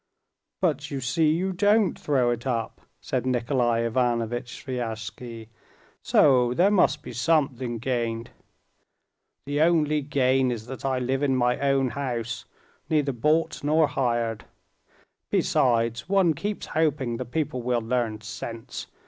"But you see you don't throw it up," said Nikolay Ivanovitch Sviazhsky; "so there must be something gained." "The only gain is that I live in my own house, neither bought nor hired. Besides, one keeps hoping the people will learn sense.